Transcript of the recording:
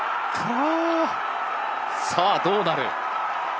さあ、どうなる。